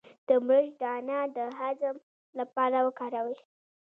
د مرچ دانه د هضم لپاره وکاروئ